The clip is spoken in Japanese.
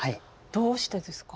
どうしてですか？